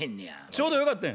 ちょうどよかったやん。